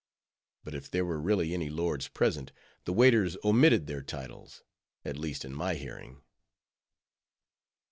_ But if there were really any lords present, the waiters omitted their titles, at least in my hearing.